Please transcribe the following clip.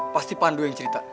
pasti pandu yang cerita